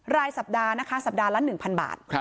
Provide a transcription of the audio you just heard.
รายสัปดาห์นะคะสัปดาห์ละ๑๐๐บาท